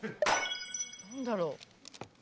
何だろう。